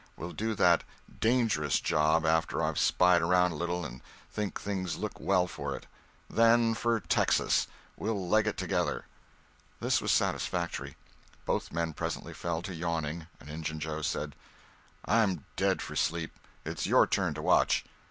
We'll do that 'dangerous' job after I've spied around a little and think things look well for it. Then for Texas! We'll leg it together!" This was satisfactory. Both men presently fell to yawning, and Injun Joe said: "I'm dead for sleep! It's your turn to watch."